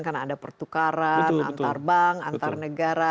karena ada pertukaran antar bank antar negara